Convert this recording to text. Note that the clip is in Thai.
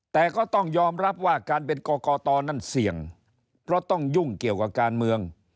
แต่ก็ต้องยอมรับว่าการเป็นกรกตนั่นเสี่ยงเพราะต้องยุ่งเกี่ยวกับการเมือง